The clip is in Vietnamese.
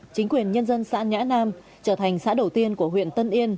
chính quyền nhân dân xã nhã nam trở thành xã đầu tiên của huyện tân yên